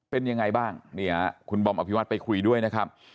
เป็นยังไงบ้างเนี่ยคุณบอมอภิวัตไปคุยด้วยนะครับ